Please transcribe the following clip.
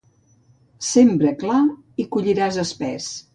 Sembra clar i colliràs espès.